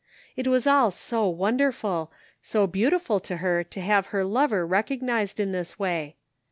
It was all so wonderful, so beautiful to her to have her lover recognized in this way.